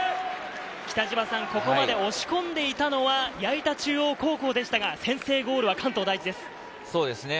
ここまで押し込んでいたのは矢板中央高校でしたが、先制ゴールは関東第一です。